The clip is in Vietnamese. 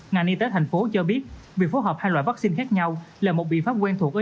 ngành y tế thành phố cho biết việc phối hợp hai loại vaccine khác nhau là một biện pháp quen thuộc